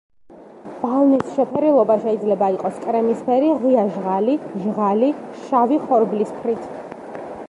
ბალნის შეფერილობა შეიძლება იყოს კრემისფერი, ღია ჟღალი, ჟღალი, შავი ხორბლისფრით.